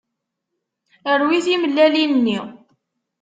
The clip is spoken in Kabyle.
Rwi timellalin-nni.